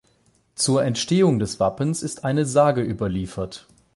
Zur Entstehung des Wappens ist eine Sage überliefert.